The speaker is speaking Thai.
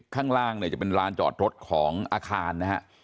ข้างล่างเนี่ยจะเป็นลานจอดรถของอาคารนะฮะ